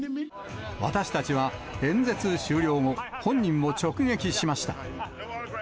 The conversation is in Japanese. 私たちは演説終了後、本人を直撃しました。